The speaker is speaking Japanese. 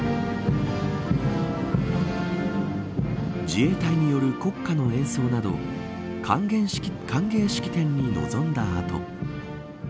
自衛隊による国歌の演奏など歓迎式典に臨んだあと